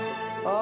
あ！